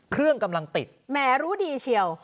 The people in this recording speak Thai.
เครื่องกำลังติดแหมรู้ดีเชียว